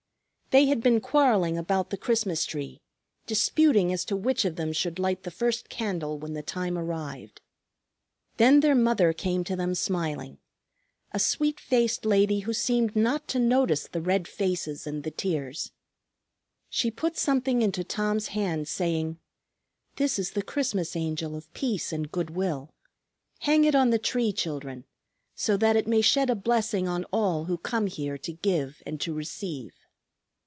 They had been quarreling about the Christmas tree, disputing as to which of them should light the first candle when the time arrived. Then their mother came to them smiling, a sweet faced lady who seemed not to notice the red faces and the tears. She put something into Tom's hand saying, "This is the Christmas Angel of peace and good will. Hang it on the tree, children, so that it may shed a blessing on all who come here to give and to receive."